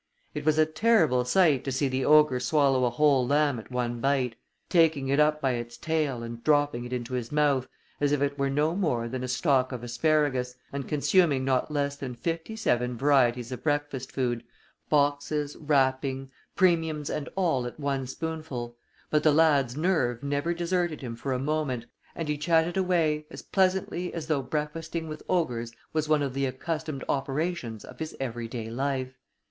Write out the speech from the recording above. It was a terrible sight to see the ogre swallow a whole lamb at one bite, taking it up by its tail and dropping it into his mouth as if it were no more than a stalk of asparagus, and consuming not less than fifty seven varieties of breakfast food, boxes, wrapping, premiums and all at one spoonful, but the lad's nerve never deserted him for a moment, and he chatted away as pleasantly as though breakfasting with ogres was one of the accustomed operations of his every day life.